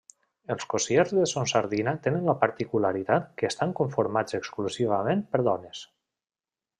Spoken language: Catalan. Els cossiers de Son Sardina tenen la particularitat que estan conformats exclusivament per dones.